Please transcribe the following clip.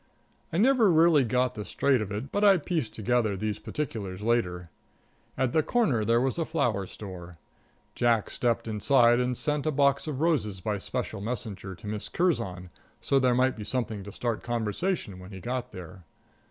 I never really got the straight of it, but I pieced together these particulars later. At the corner there was a flower store. Jack stepped inside and sent a box of roses by special messenger to Miss Curzon, so there might be something to start conversation when he got there.